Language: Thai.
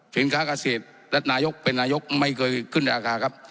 ค้าเกษตรและนายกเป็นนายกไม่เคยขึ้นในอาคารครับ